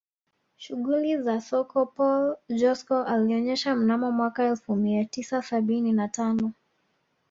Shughuli za soko Paul Joskow alionyesha mnamo mwaka elfu mia tisa sabini na tano